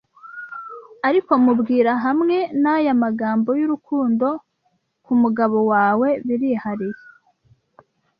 ariko mubwira hamwe naya magambo yurukundo kumugabo wawe birihariye